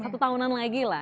satu tahunan lagi lah